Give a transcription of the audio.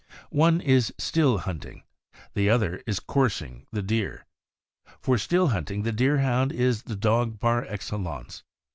One is still hunting, the other is coursing the deer. For still hunting, the Deerhound is the dog par excellence.